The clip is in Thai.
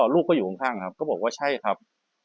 ลูกก็อยู่ข้างครับก็บอกว่าใช่ครับ